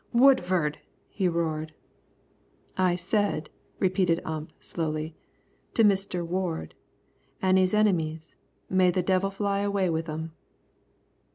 "Woodford!" he roared. "I said," repeated Ump slowly, "to Mister Ward. An' his enemies, may the devil fly away with 'em."